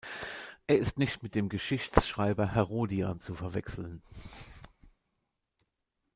Er ist nicht mit dem Geschichtsschreiber Herodian zu verwechseln.